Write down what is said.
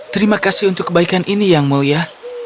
terima kasih untuk kebaikan ini yang mulia